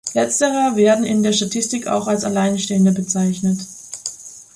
Letztere werden in der Statistik auch als Alleinstehende bezeichnet.